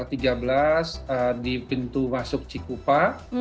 rest area kilometer tiga belas di pintu masuk cikupa